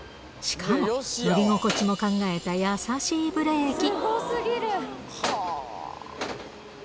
しかも、乗り心地も考えた、優しいブレーキ。